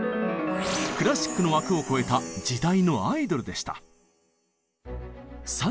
クラシックの枠を超えた時代のアイドルでした。